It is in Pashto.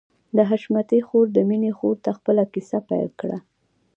د حشمتي خور د مينې خور ته خپله کيسه پيل کړه.